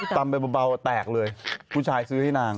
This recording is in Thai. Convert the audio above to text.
ตำไปเบาแตกเลยผู้ชายซื้อให้นาง